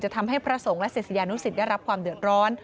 ทำให้พระสงฆ์และศิษยานุสิตได้รับความเดือดร้อน